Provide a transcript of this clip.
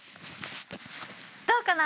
どうかな？